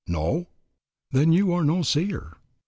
No? Then you are no seer.